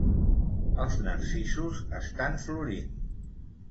Els narcisos estan florint.